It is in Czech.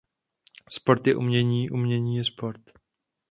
Sport je umění, umění je sport.